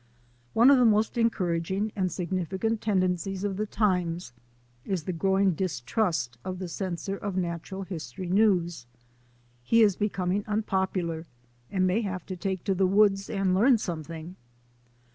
One of the most encouraging and significant ten dencies of the times is the growing distrust of the censor of natural history news. He is becoming unpopular and may have to take to the woods and learn something.